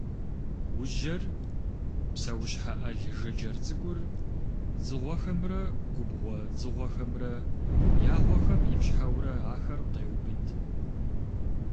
Ужьэр, псэущхьэ ӏэл жыджэр цӏыкӏур, дзыгъуэхэмрэ губгъуэ дзыгъуэхэмрэ я гъуэхэм ипщхьэурэ ахэр къеубыд.